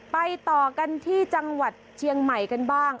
ไปต่อกันที่จังหวัดเชียงใหม่กันบ้าง